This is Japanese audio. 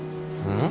うん？